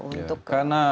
untuk melawan hukum